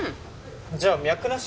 じゃあ脈なし？